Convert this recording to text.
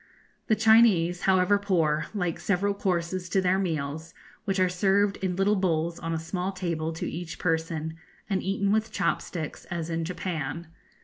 The Chinese, however poor, like several courses to their meals, which are served in little bowls on a small table to each person, and eaten with chop sticks, as in Japan.